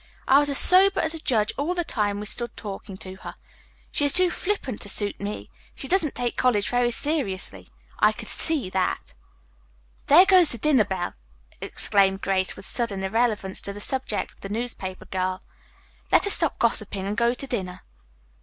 "I was as sober as a judge all the time we stood talking to her. She is too flippant to suit me. She doesn't take college very seriously. I could see that." "There goes the dinner bell!" exclaimed Grace, with sudden irrelevance to the subject of the newspaper girl. "Let us stop gossiping and go to dinner."